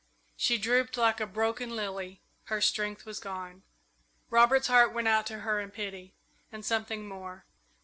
She drooped like a broken lily her strength was gone. Robert's heart went out to her in pity, and something more.